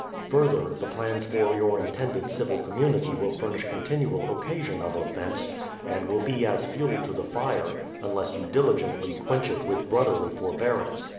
Further, the plans for your intended civil community will furnish continual occasion of offence, and will be as fuel to the fire, unless you diligently quench it with brother!}' forbearance.